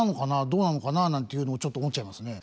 どうなのかななんていうのをちょっと思っちゃいますね。